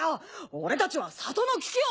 俺たちは里の危機を。